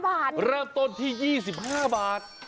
ราคาร่ำต้นที่๒๕บาท